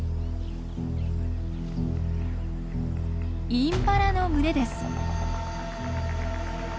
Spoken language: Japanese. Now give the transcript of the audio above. インパラの群れです！